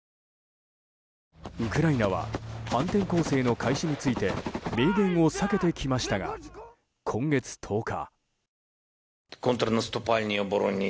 ウクライナは反転攻勢の開始について明言を避けてきましたが今月１０日。